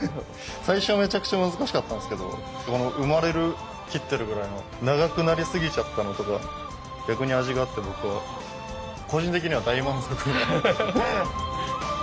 最初はめちゃくちゃ難しかったんですけどこの生まれる切ってるぐらいの長くなりすぎちゃったのとか逆に味があって僕個人的には大満足。